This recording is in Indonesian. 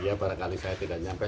ya barangkali saya tidak nyampe